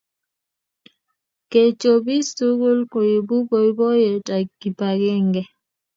Kechopis tugul koipu boiboiyet ak kipakenge